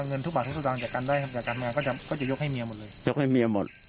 เงินทุกบาททุกสตางคจากการได้ครับจากการงานก็จะก็จะยกให้เมียหมดเลยยกให้เมียหมด